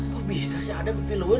kok bisa sih adam kekeluhan